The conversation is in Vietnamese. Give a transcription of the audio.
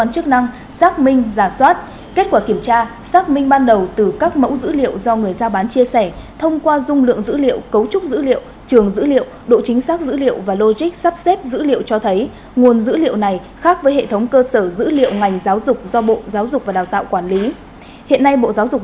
những kết quả kiểm tra xác minh ban đầu từ các mẫu dữ liệu do người ra bán chia sẻ thông qua dung lượng dữ liệu cấu trúc dữ liệu trường dữ liệu độ chính xác dữ liệu và logic sắp xếp dữ liệu cho thấy nguồn dữ liệu này khác với hệ thống cơ sở dữ liệu ngành giáo dục do bộ giáo dục và đào tạo quản lý